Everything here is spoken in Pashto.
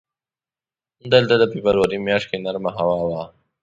دلته د فبروري میاشت کې نرمه هوا وه.